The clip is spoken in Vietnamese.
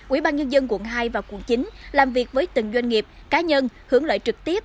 ủy ban nhân dân quận hai và quận chín làm việc với từng doanh nghiệp cá nhân hướng lợi trực tiếp